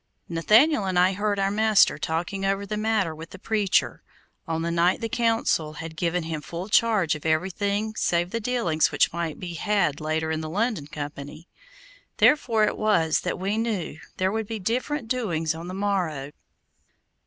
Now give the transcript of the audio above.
Nathaniel and I heard our master talking over the matter with the preacher, on the night the Council had given him full charge of everything save the dealings which might be had later with the London Company, therefore it was that we knew there would be different doings on the morrow.